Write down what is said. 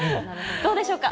どうでしょうか。